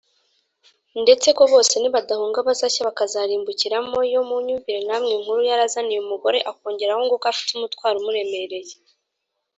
ndetse ko bose nibadahunga bazashya bakazarimbukiramo yo munyumvire namwe inkuru yari azaniye umugore, akongeraho ngo ko afite umutwaro umuremereye.